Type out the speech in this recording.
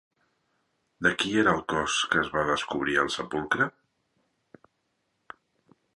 De qui era el cos que es va descobrir al sepulcre?